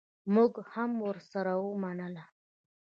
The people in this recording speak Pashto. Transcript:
مونږ هم ورسره ومنله.